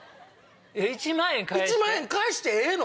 一万円返してええの？